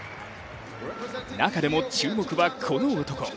中でも注目はこの男。